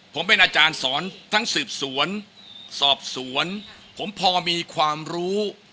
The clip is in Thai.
ผมเป็นอาจารย์สอนทั้งสืบสวนสอบสวนผมพอมีความรู้